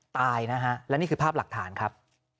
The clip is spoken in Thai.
ตายนะฮะและนี่คือภาพหลักฐานครับ